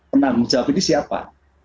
penanggung jawab ini siapa